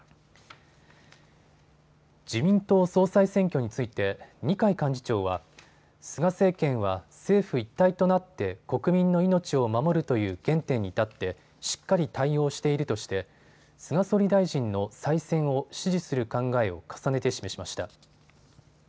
自民党総裁選挙について二階幹事長は菅政権は政府一体となって国民の命を守るという原点に立ってしっかり対応しているとして菅総理大臣の再選を支持する考えを重ねて示しました。